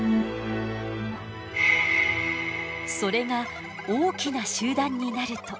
それが大きな集団になると。